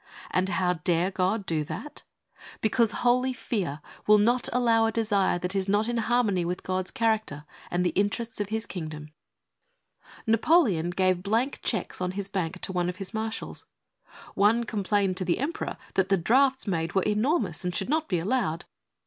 And how dare God do that ? Because holy fear will not allow a desire that is not in harmony with God's character and the interests of His Kingdom. ««««« Napoleon gave blank cheques on his bank to one of his marshals. One complained to the Emperor that the drafts made were enormous and should not be allowed.